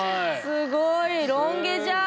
すごいロン毛じゃん！